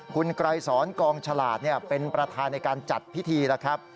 คุณไกรสอนกองฉลาดเป็นประธานในการจัดพิธีแล้วครับ